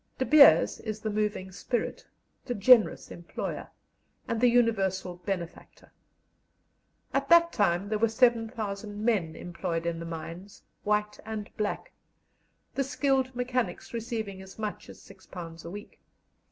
"De Beers" is the moving spirit, the generous employer, and the universal benefactor. At that time there were 7,000 men employed in the mines, white and black, the skilled mechanics receiving as much as £6 a week.